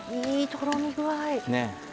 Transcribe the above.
とろみ具合。